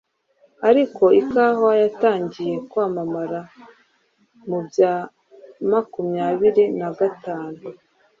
Ariko ikawa yatangiye kwamamara mu bya makumyabiri na gatanu